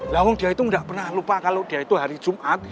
lah orang dia itu gak pernah lupa kalau dia itu hari jumat